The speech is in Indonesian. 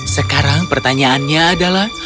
sekarang pertanyaannya adalah